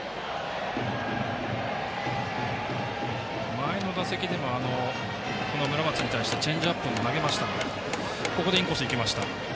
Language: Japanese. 前の打席でもこの村松に対してチェンジアップを投げましたがここでインコースいきました。